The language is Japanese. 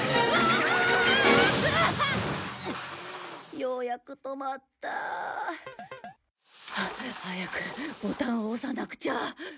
ようやく止まった。は早くボタンを押さなくちゃ！